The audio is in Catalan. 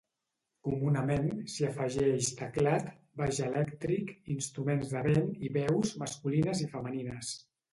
Comunament s'hi afegeix teclat, baix elèctric, instruments de vent i veus masculines i femenines.